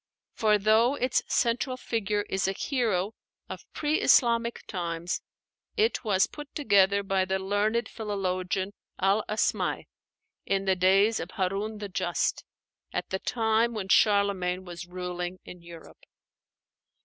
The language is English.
For though its central figure is a hero of pre Islamic times, it was put together by the learned philologian, al 'Asmái, in the days of Harun the Just, at the time when Charlemagne was ruling in Europe.